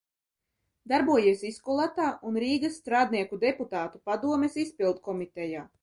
Darbojies Iskolatā un Rīgas Strādnieku deputātu padomes izpildkomitejā.